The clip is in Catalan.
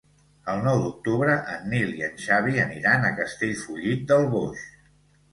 El nou d'octubre en Nil i en Xavi aniran a Castellfollit del Boix.